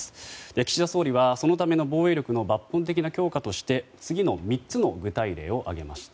岸田総理はそのための防衛力の抜本的な強化として次の３つの具体例を挙げました。